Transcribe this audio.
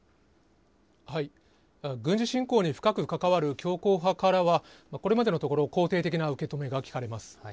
軍事侵攻に深く関わる強硬派からは、これまでのところ、肯定的な受け止めが聞かれます。